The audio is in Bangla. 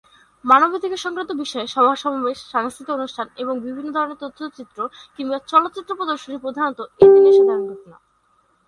মানবাধিকার সংক্রান্ত বিষয়ে সভা-সমাবেশ, সাংস্কৃতিক অনুষ্ঠান এবং বিভিন্ন ধরনের তথ্যচিত্র কিংবা চলচ্চিত্র প্রদর্শনী প্রধানতঃ এ দিনের সাধারণ ঘটনা।